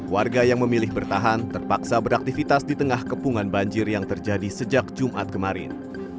warga yang memilih bertahan terpaksa beraktivitas di tengah kepungan banjir yang terjadi sejak jumat kemarin